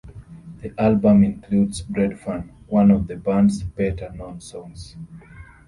The album includes "Breadfan", one of the band's better known songs.